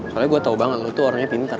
soalnya gue tau banget lo tuh orangnya pintar